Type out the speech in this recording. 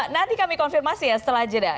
nanti kami konfirmasi ya setelah aja dah